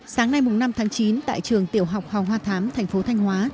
sáng nay năm tháng chín tại trường tiểu học hòa hoa thám thành phố thanh hóa